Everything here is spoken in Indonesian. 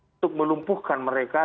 untuk melumpuhkan mereka